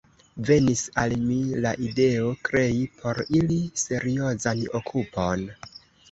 Venis al mi la ideo, krei por ili seriozan okupon.